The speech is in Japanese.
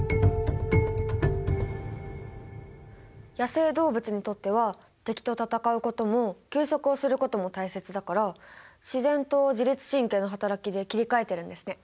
野生動物にとっては敵と闘うことも休息をすることも大切だから自然と自律神経のはたらきで切り替えてるんですね。